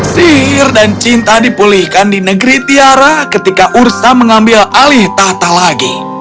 sihir dan cinta dipulihkan di negeri tiara ketika ursa mengambil alih tahta lagi